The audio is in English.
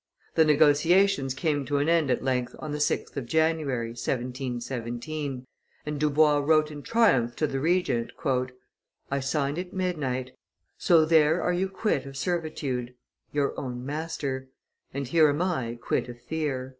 The negotiations came to an end at length on the 6th of January, 1717, and Dubois wrote in triumph to the Regent, "I signed at midnight; so there are you quit of servitude (your own master), and here am I quit of fear."